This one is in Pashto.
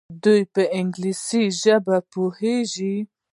دوی په انګلیسي ژبه پوهیږي.